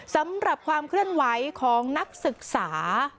สำหรับความเคลื่อนไหวของนักศึกษา